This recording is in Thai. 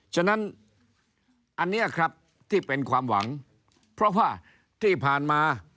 ฉะนั้นอันนี้ครับที่เป็นความหวังเพราะว่าที่ผ่านมา